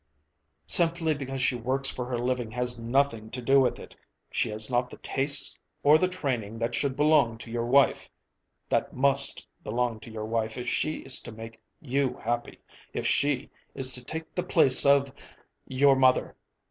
Simply because she works for her living has nothing to do with it. She has not the tastes or the training that should belong to your wife that must belong to your wife if she is to make you happy, if she is to take the place of your mother.